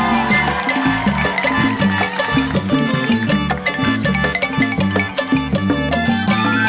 กลับมาที่สุดท้าย